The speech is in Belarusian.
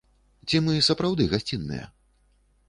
Ці мы сапраўды гасцінныя?